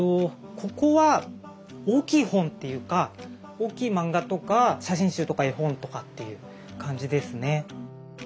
ここは大きい本っていうか大きい漫画とか写真集とか絵本とかっていう感じですね。